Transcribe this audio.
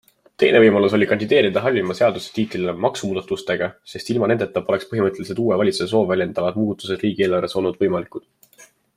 Teine võimalus oli kandideerida halvima seaduse tiitlile maksumuudatustega, sest ilma nendeta poleks põhimõttelised uue valitsuse soove väljendavad muutused riigieelarves olnud võimalikud.